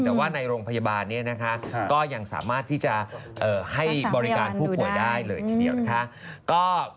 แต่ว่าในโรงพยาบาลก็ยังสามารถให้บริการผู้ป่วยได้เลยทีเดียว